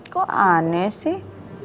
kok aneh sih